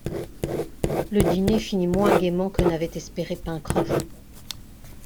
Le dîner finit moins gaiement que n’avait espéré Pencroff.